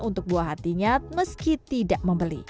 untuk buah hatinya meski tidak membeli